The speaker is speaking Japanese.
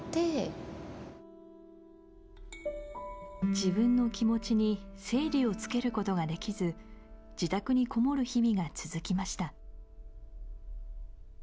自分の気持ちに整理をつけることができず自宅にこもる日々が続きました。